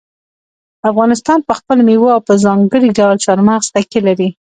افغانستان په خپلو مېوو او په ځانګړي ډول چار مغز تکیه لري.